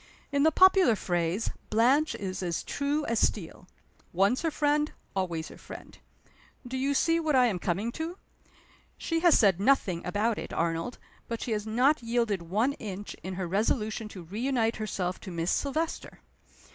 In the popular phrase, Blanche is as true as steel. Once her friend, always her friend. Do you see what I am coming to? She has said nothing about it, Arnold; but she has not yielded one inch in her resolution to reunite herself to Miss Silvester.